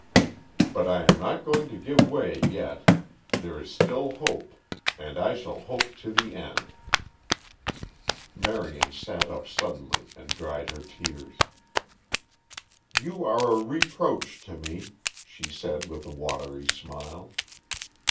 But I am not going to give way yet. There is still hope. And I shall hope to the end." Marion sat up suddenly and dried her tears. "You are a reproach to me," she said with a watery smile.